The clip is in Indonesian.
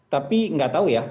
tapi nggak tahu ya